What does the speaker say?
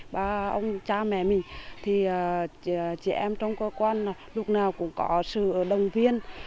ba ông cha mẹ mình thì trẻ em trong cơ quan lúc nào cũng có sự đồng viên